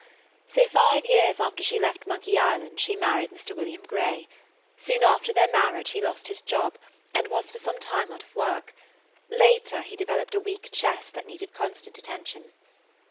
So, five years after she left Monkey Island, she married Mr. William Grey. Soon after their marriage he lost his job and was for some time out of work; later he developed a weak chest that needed constant attention.